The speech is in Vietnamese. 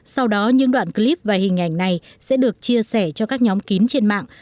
sau đó những đoạn clip và hình ảnh này sẽ được chia sẻ cho các nhóm kín trên mạng